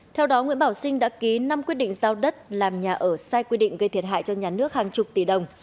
theo đó nguyễn bảo sinh đã ký năm quyết định giao đất làm nhà ở sai quy định gây thiệt hại cho nhà nước hàng chục tỷ đồng